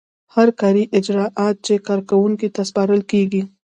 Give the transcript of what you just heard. هر کاري اجراات چې کارکوونکي ته سپارل کیږي.